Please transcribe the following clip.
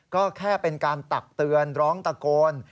ก็แค่เป็นการตักเตือนร้องตะโกน